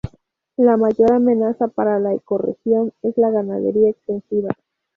La mayor amenaza para la ecorregión es la ganadería extensiva.